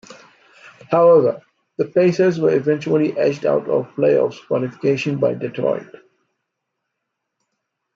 However, the Pacers were eventually edged out of playoffs qualification by Detroit.